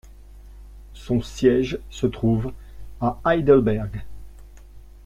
Son siège se trouve à Heidelberg.